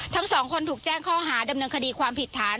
ทั้งสองคนถูกแจ้งข้อหาดำเนินคดีความผิดฐาน